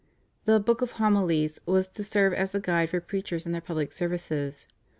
The /Book of Homilies/ was to serve as a guide for preachers in their public services.